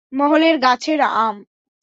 মহলের গাছের আম?